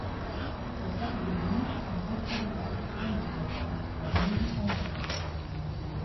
Cette part de dîme fut transférée par les soins du doyen à l’abbaye Saint-Martin.